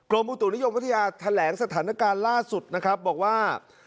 โรงพูดถูกนิยมวัฒนิยาแถลงสถานการณ์ล่าสุดนะครับบอกว่า